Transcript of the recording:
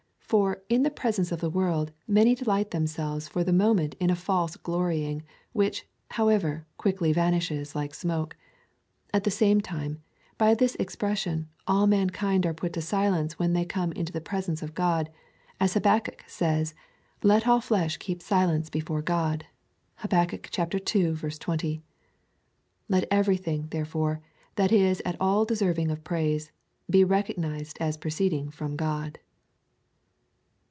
For in the presence of the world many delight themselves for the moment in a false glorying, which, however, quickly vanishes like smoke. At the same time, by this expression all mankind are i3ut to silence when they come into the presence of God ; as Habakkuk says — Let all flesh keep silence before God, (Hab. ii. 20.) Let every thing, therefore, that is at all deserving of praise, be recog nised as proceeding from God.